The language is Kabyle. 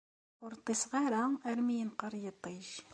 Ur ṭṭiseɣ ara armi yenqer yiṭij.